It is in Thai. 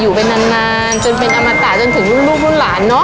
อยู่เป็นนานนานจนเป็นอมตะจนถึงลูกลูกลูกหลานเนอะ